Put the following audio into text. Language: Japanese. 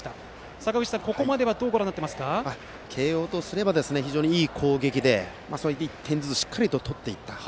坂口さん、ここまで慶応とすれば非常にいい攻撃で１点ずつ、しっかり取っていった。